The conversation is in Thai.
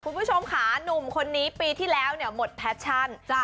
คุณผู้ชมค่ะหนุ่มคนนี้ปีที่แล้วเนี่ยหมดแพชชั่น